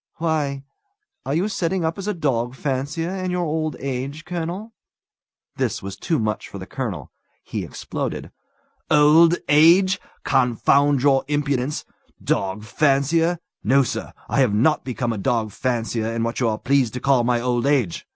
"Why, are you setting up as a dog fancier in your old age, colonel?" This was too much for the colonel. He exploded. "Old age! Confound your impudence! Dog fancier! No, sir! I have not become a dog fancier in what you are pleased to call my old age!